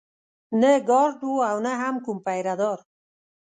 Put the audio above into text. نه ګارډ و او نه هم کوم پيره دار.